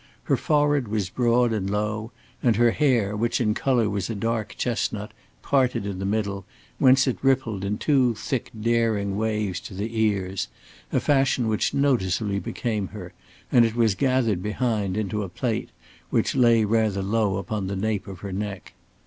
Her forehead was broad and low and her hair, which in color was a dark chestnut, parted in the middle, whence it rippled in two thick daring waves to the ears, a fashion which noticeably became her, and it was gathered behind into a plait which lay rather low upon the nape of her neck.